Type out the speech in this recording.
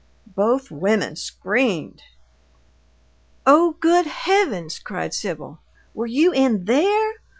Both women screamed. "Oh, good heavens!" cried Sibyl. "Were you in THERE?